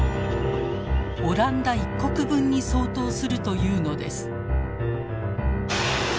オランダ１国分に相当するというのです。